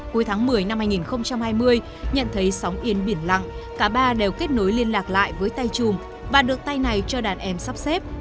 cuối tháng một mươi năm hai nghìn hai mươi nhận thấy sóng yên biển lặng cả ba đều kết nối liên lạc lại với tay chùm và được tay này cho đàn em sắp xếp